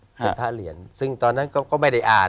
เป็นพระเหรียญซึ่งตอนนั้นก็ไม่ได้อ่าน